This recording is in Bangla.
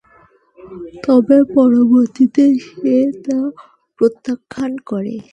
তবে পরবর্তীতে সে তা প্রত্যাখ্যান করে।